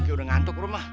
ki udah ngantuk rom ah